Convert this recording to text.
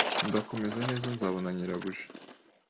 Ndakomeza neza Nzabona nyirabuja